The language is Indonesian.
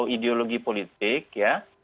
ideologi politik ya